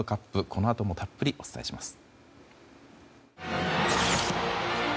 このあともたっぷりお伝えします。